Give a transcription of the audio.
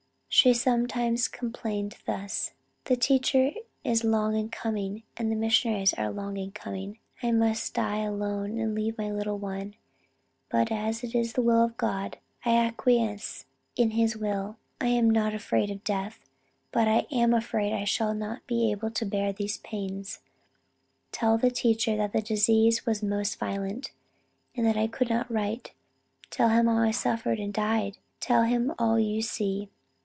She sometimes complained thus: 'The teacher is long in coming, and the missionaries are long in coming, I must die alone and leave my little one, but as it is the will of God, I acquiesce in his will. I am not afraid of death, but I am afraid I shall not be able to bear these pains. Tell the teacher that the disease was most violent, and I could not write; tell him how I suffered and died; tell him all you see.'...